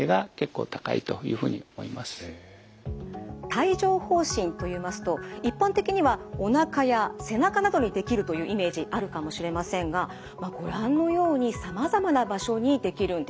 帯状ほう疹といいますと一般的にはおなかや背中などにできるというイメージあるかもしれませんがご覧のようにさまざまな場所にできるんです。